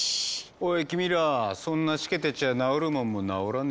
おい君らそんなしけてちゃ治るもんも治らねえぞ。